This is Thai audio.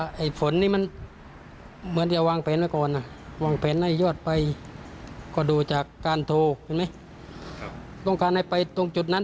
คุณฝนกับอดีตสามีเก่าเขาเนี้ยน่าจะรู้เหตุการณ์